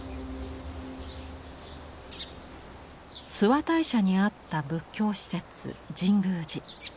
諏訪大社にあった仏教施設神宮寺。